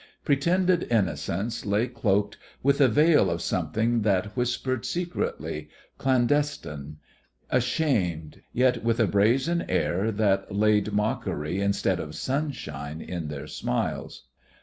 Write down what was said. Pretended innocence lay cloaked with a veil of something that whispered secretly, clandestine, ashamed, yet with a brazen air that laid mockery instead of sunshine in their smiles.